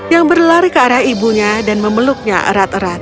yang berlari ke arah ibunya dan memeluknya erat erat